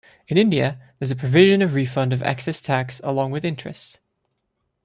In India, there is a provision of refund of excess tax along with interest.